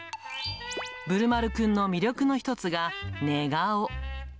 ぶるまるくんの魅力の一つが寝顔。